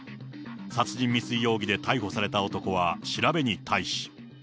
殺人未遂容疑で逮捕された男は、調べに対し。